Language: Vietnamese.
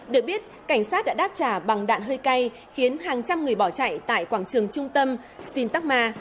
được biết cảnh sát đã đáp trả bằng đạn hơi cay khiến hàng trăm người bỏ chạy tại quảng trường trung tâm starkma